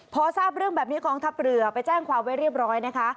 พอทราบเรื่องแบบนี้กองทัพเรือไปแจ้งความไว้เรียบร้อยนะคะ